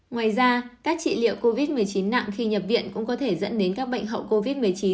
ngoài ra các trị liệu covid một mươi chín nặng khi nhập viện cũng có thể dẫn đến các bệnh hậu covid một mươi chín